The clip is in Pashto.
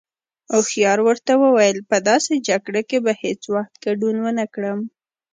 هوښيار ورته وويل: په داسې جگړه کې به هیڅ وخت گډون ونکړم.